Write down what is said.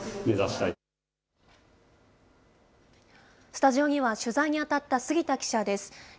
スタジオには、取材に当たった杉田記者です。